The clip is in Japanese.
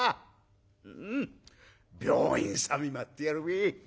うん病院さ見舞ってやるべ。